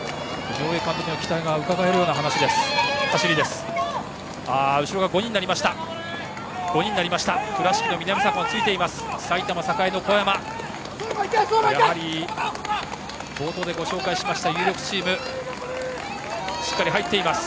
井上監督の期待がうかがえるような走りです。